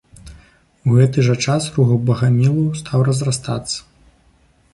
У гэты жа час рух багамілаў стаў разрастацца.